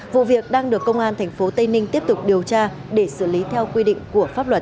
vụ việc đang được công an tp tây ninh tiếp tục điều tra để xử lý theo quy định của pháp luật